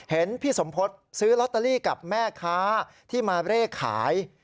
เห็นพี่สมพศซื้อลอตเตอรี่กับแม่ค้าที่มาเร่ขาย